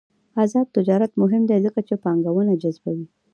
آزاد تجارت مهم دی ځکه چې پانګونه جذبوي.